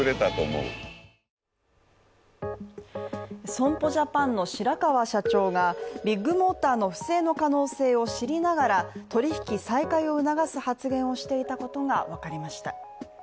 損保ジャパンの白川社長がビッグモーターの不正の可能性を知りながら取り引き再開を促す発言をしていたことが分かりました。